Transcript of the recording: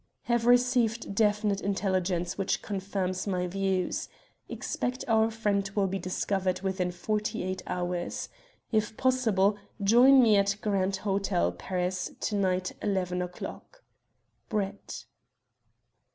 "Have received definite intelligence which confirms my views. Expect our friend will be discovered within forty eight hours. If possible, join me at Grand Hotel, Paris, to night, eleven o'clock. "BRETT."